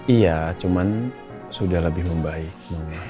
iya cuma sudah lebih membaik mama